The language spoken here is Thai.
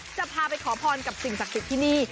จะพาไปขอพรกับสิ่งสักทีที่นี่